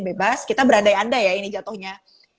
bebas kita berandai andai ya ini jatuhnya